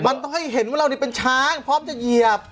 มันต้องให้เห็นว่าเราเป็นช้างพร้อมจะเหยียบ